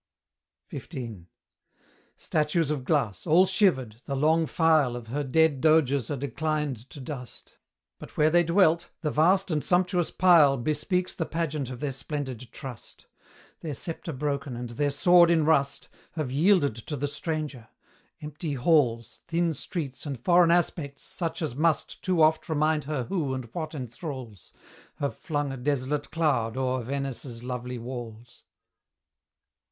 XV. Statues of glass all shivered the long file Of her dead doges are declined to dust; But where they dwelt, the vast and sumptuous pile Bespeaks the pageant of their splendid trust; Their sceptre broken, and their sword in rust, Have yielded to the stranger: empty halls, Thin streets, and foreign aspects, such as must Too oft remind her who and what enthrals, Have flung a desolate cloud o'er Venice' lovely walls.